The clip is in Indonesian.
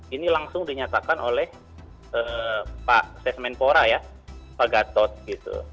ini langsung dinyatakan oleh pak sesmenpora ya pak gatot gitu